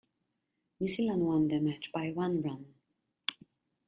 New Zealand won the match by one run.